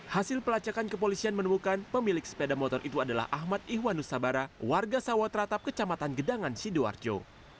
hasil pelacakan kepolisian menemukan pemilik sepeda motor itu adalah ahmad ihwanus sabara warga sawah teratap kecamatan gedangan sidoarjo